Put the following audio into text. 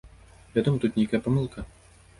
Вядома, тут нейкая памылка.